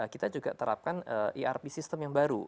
kita juga terapkan erp system yang baru